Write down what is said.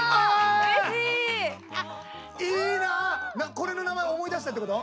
これの名前思い出したってこと？